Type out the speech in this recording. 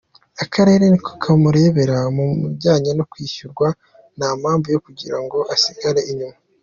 Akarere niko kamureberera mu bijyanye no kwishyurwa nta mpamvu yo kugira ngo asigare inyuma.